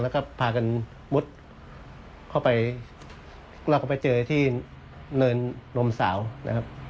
แล้วก็พากันมุดเข้าไปแล้วก็ไปเจอที่เนินนมสาวนะครับ